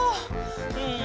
うん。